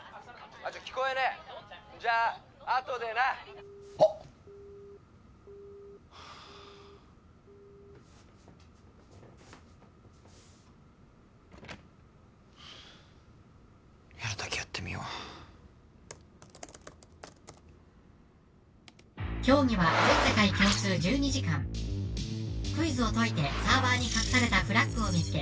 あっちょっ聞こえねえじゃああとでなあっやるだけやってみよう「競技は全世界共通１２時間」「クイズを解いてサーバーに隠されたフラッグを見つけ」